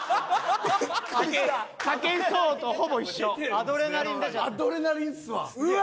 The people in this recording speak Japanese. アドレナリンっすわ。